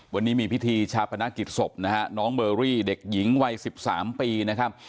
วันนี้มีพิธีชาปนากิตศพน้องเบอรี่เด็กหญิงวัย๑๓ปี